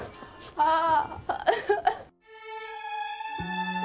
ああ。